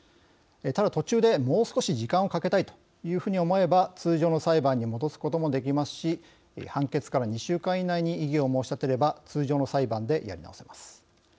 ただ、途中で「もう少し時間をかけたい」というふうに思えば通常の裁判に戻すこともできますし判決から２週間以内に異議を申し立てれば通常の裁判でやり直せます。